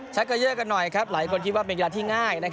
เกยอร์กันหน่อยครับหลายคนคิดว่าเป็นเวลาที่ง่าย